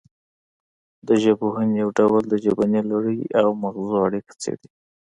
د ژبپوهنې یو ډول د ژبنۍ لړۍ او مغزو اړیکه څیړي